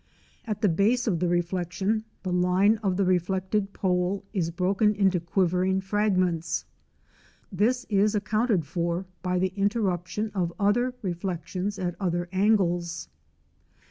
At the base of the reflection, the line of the reflected pole is broken into quivering fragments. This is accounted for by the interruption of other reflections at other angles.